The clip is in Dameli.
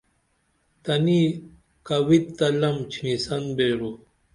تنی کویت تہ لم ڇھینی سن بیرو